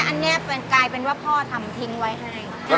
อันนี้กลายเป็นว่าพ่อทำทิ้งไว้ให้